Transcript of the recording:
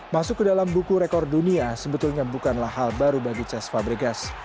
masuk ke dalam buku rekor dunia sebetulnya bukanlah hal baru bagi ches fabregas